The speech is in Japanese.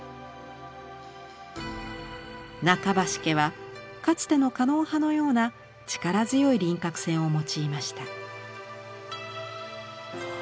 「中橋家」はかつての狩野派のような力強い輪郭線を用いました。